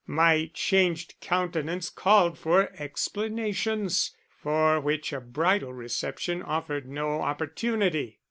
My changed countenance called for explanations, for which a bridal reception offered no opportunity.